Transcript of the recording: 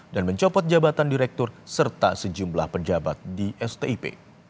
dan mencopot jabatan direktur serta sejumlah pejabat di stip